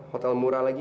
hotel murah lagi